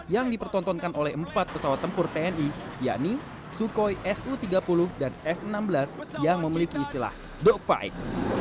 yang dipertontonkan oleh empat pesawat tempur tni yakni sukhoi su tiga puluh dan f enam belas yang memiliki istilah dogfight